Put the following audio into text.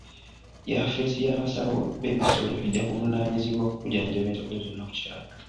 Yafesi y'abasawo b'ebisolo ejja kuvunaanyizibwa ku kujjanjaba ensolo zonna ku kyalo.